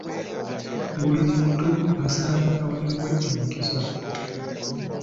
Buli muntu asaana aweebwe omukisa.